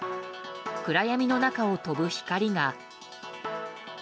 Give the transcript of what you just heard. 暗闇の中を飛ぶ光が。